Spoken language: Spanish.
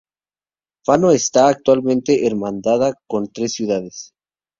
Fano está actualmente hermanada con tres ciudades.